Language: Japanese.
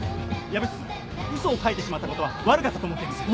藪下さん嘘を書いてしまったことは悪かったと思っています。